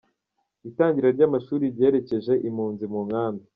Itangira ry’amashuri ryerekeje impunzi mu nkambi